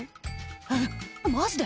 「えっマジで？